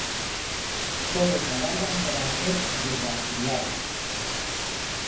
Todos agardan para ser repatriados.